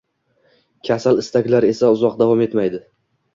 Kasal istaklar esa uzoq davom etmaydi